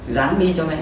dán mi cho mẹ